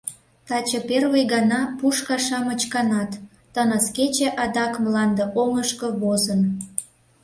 Таче первый гана пушка-шамыч канат, Тыныс кече адак мланде оҥышко возын.